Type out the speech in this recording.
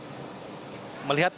melihat putusan dari pak ahok